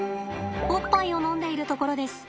おっぱいを飲んでいるところです。